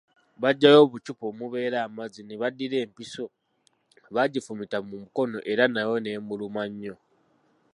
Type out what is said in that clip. Bajjayo obucupa omubeera amazzi ne baddira empiso bagifumita mu mukono era nayo neemuluma nnyo.